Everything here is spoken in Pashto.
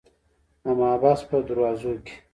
د محبس په دروازو کې.